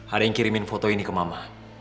ada yang kirimin foto ini ke mama